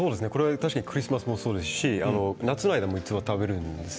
クリスマスもそうですし夏の間もいつも食べるんです。